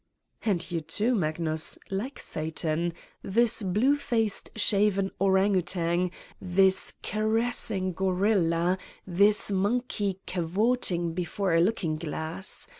And you, too, Magnus! Like Satan! This blue faced, shaven orang outang, this caressing guerilla, this monkey cavorting before a looking glass